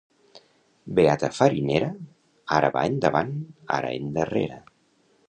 Beata farinera, ara va endavant, ara endarrere.